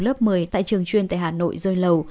học lớp mới tại trường chuyên tại hà nội rơi lầu